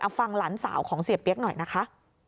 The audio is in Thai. ฟังหลานสาวของเสียเปี๊ยกหน่อยนะคะ